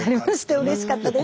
うれしかったです。